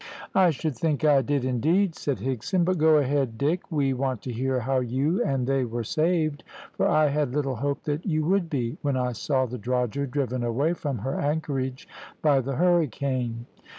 "I should think I did, indeed," said Higson; "but go ahead, Dick: we want to hear how you and they were saved, for I had little hope that you would be, when I saw the drogher driven away from her anchorage by the hurricane."